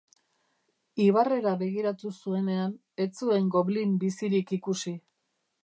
Ibarrera begiratu zuenean ez zuen goblin bizirik ikusi.